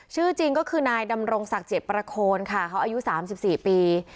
ชื่อจริงก็คือนายดำรงศักดิ์เจียประโคลค่ะเขาอายุสามสิบสี่ปี